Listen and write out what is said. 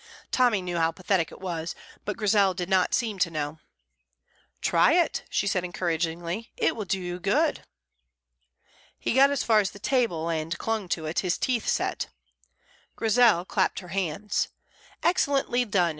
Tommy knew how pathetic it was, but Grizel did not seem to know. "Try it," she said encouragingly; "it will do you good." [Illustration: And clung to it, his teeth set.] He got as far as the table, and clung to it, his teeth set. Grizel clapped her hands. "Excellently done!"